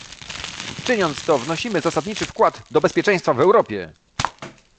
Czyniąc to, wnosimy zasadniczy wkład do bezpieczeństwa w Europie